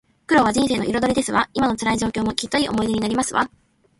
苦労は人生の彩りですわ。今の辛い状況も、きっといい思い出になりますわ